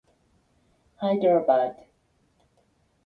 Hyderabad.